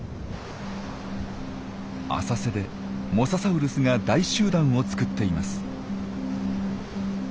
浅瀬でモササウルスが大集団を作っています。